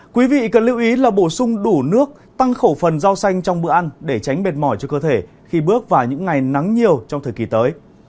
quý vị cần lưu ý là bổ sung đủ nước tăng khẩu phần rau xanh trong bữa ăn để tránh mệt mỏi cho cơ thể khi bước vào những ngày nắng nhiều trong thời kỳ tới